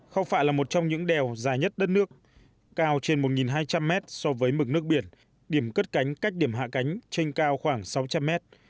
khao phạ là một trong những đèo dài nhất đất nước cao trên một hai trăm linh mét so với mực nước biển điểm cất cánh cách điểm hạ cánh trên cao khoảng sáu trăm linh mét